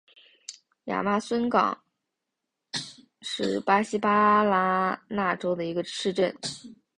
亚马孙港是巴西巴拉那州的一个市镇。